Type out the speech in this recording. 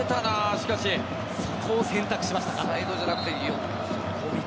しかし、そこを選択しましたか。